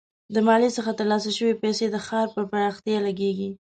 د مالیې څخه ترلاسه شوي پیسې د ښار پر پراختیا لګیږي.